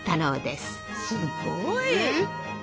すごい！